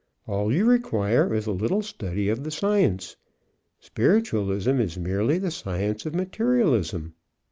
All you require is a little study of the science. Spiritualism is merely the science of materialism."